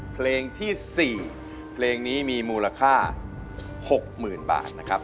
เพลงที่๔เพลงนี้มีมูลค่า๖๐๐๐บาทนะครับ